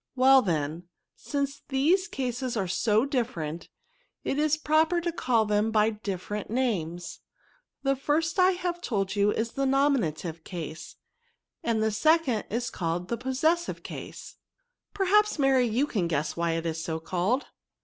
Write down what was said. Well then, since these cases are so different, it is proper to call them by different names. The first, I have told you, is the nominative case, and the second is called the Possessive cdse^ Perhaps, Maty, you can guess why it is so called?"